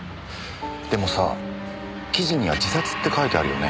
でもさ記事には自殺って書いてあるよね。